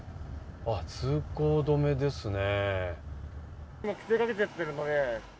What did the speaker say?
通行止めですね。